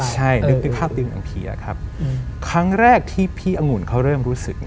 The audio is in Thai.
ใช่นึกถึงภาพจริงครั้งแรกที่พี่อังหุ่นเขาเริ่มรู้สึก